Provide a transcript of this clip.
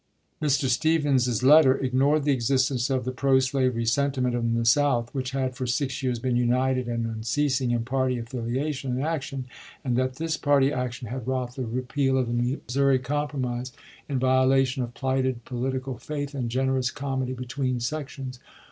Mr. Stephens's letter ignored the existence of the pro slavery sentiment in the South, which had for six years been united and unceasing in party affiliation and action, and that this party action had wrought Cleveland, p. 696. STEPHENS'S SPEECH 275 the repeal of the Missouri Compromise in violation ch. xvii. of plighted political faith and generous comity be tween sections.